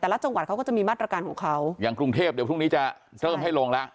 แต่ละจังหวัดเขาก็จะมีมาตรการของเขาอย่างกรุงเทพเดี๋ยวพรุ่งนี้จะเริ่มให้ลงแล้ว